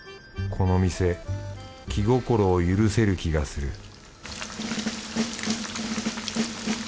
この店気心を許せる気がする